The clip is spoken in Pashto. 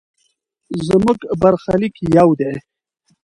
زموږ برخلیک یو دی.